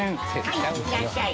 はいいらっしゃい。